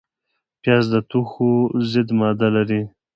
پیاز د توښو ضد ماده لري